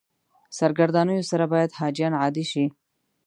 سرګردانیو سره باید حاجیان عادي شي.